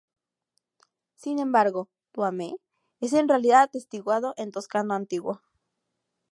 Sin embargo, "tu ame" es en realidad atestiguado en toscano antiguo.